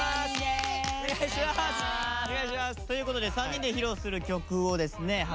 ということで３人で披露する曲をですね